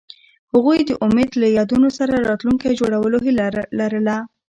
هغوی د امید له یادونو سره راتلونکی جوړولو هیله لرله.